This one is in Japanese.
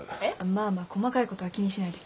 まあまあ細かいことは気にしないで。